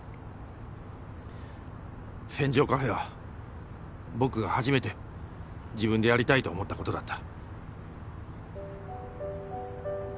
船上カフェは僕が初めて自分でやりたいと思ったことだった。